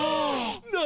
何？